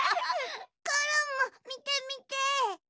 コロンもみてみて！